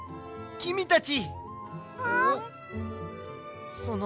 きみたち。